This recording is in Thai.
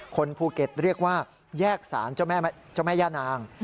คนภูเก็ตเรียกว่าแยกสารเจ้าแม่ย่านาง